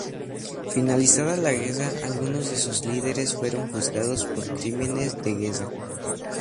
Finalizada la guerra, algunos de sus líderes fueron juzgados por crímenes de guerra.